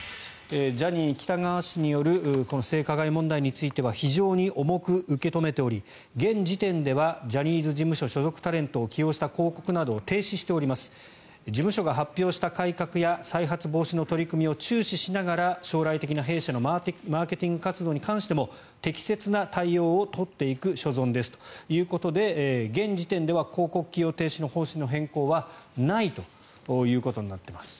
ジャニー喜多川氏による性加害問題については非常に重く受け止めており現時点ではジャニーズ事務所所属タレントを起用した広告などを停止しております事務所が発表した改革や再発防止の取り組みを注視しながら将来的な、弊社のマーケティング活動に関しても適切な対応を取っていく所存ですということで現時点では広告起用停止の方針の変更はないということになっています。